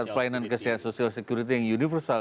pelayanan kesehatan social security yang universal